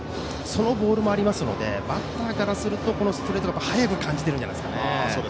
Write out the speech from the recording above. そのボールもありますのでバッターからするとストレートが速く感じているんじゃないでしょうか。